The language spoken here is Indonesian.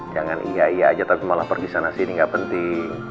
jangan iya iya aja tapi malah pergi sana sini gak penting